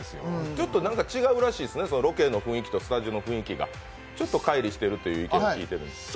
ちょっと違うらしいですねロケの雰囲気とスタジオの雰囲気がかい離していると聞いてるんですけど。